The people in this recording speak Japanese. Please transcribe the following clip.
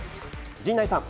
陣内さん。